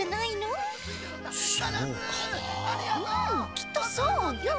きっとそうよ。